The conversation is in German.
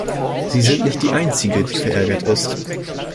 Sie sind nicht die Einzige, die verärgert ist.